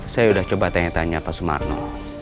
saya sudah coba tanya tanya pak sumarno